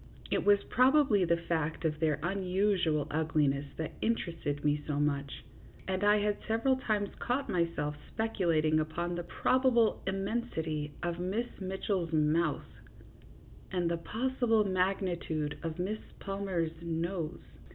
It was probably the fact of their unusual ugliness that interested me so much, and I had several times caught myself speculating upon the probable immensity of Miss Mitchell's mouth and the possible magnitude of Miss Palmer's nose.